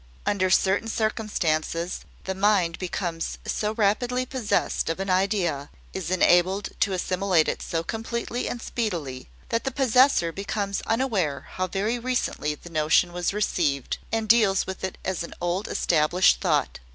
Under certain circumstances, the mind becomes so rapidly possessed of an idea, is enabled to assimilate it so completely and speedily, that the possessor becomes unaware how very recently the notion was received, and deals with it as an old established thought.